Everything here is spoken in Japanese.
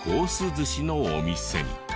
寿司のお店に。